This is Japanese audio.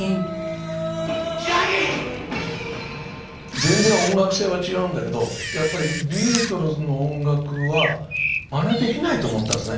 全然音楽性は違うんだけどやっぱりビートルズの音楽はまねできないと思ったんですね。